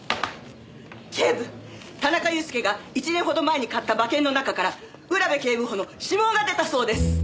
警部田中裕介が１年ほど前に買った馬券の中から浦部警部補の指紋が出たそうです。